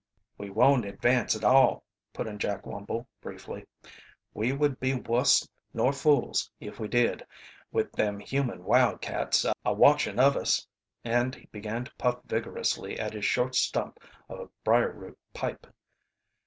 "We won't advance at all," put in Jack Wumble briefly. "We would be wuss nor fools if we did with them human wildcats a watchin' of us," and he began to puff vigorously at his short stump of a briarroot pipe.